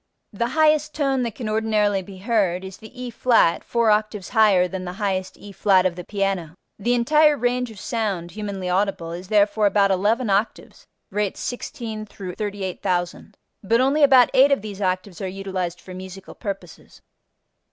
The highest tone that can ordinarily be heard is the E[flat] four octaves higher than the highest E[flat] of the piano. The entire range of sound humanly audible is therefore about eleven octaves (rates 16 38,000), but only about eight of these octaves are utilized for musical purposes.